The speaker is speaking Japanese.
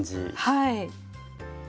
はい。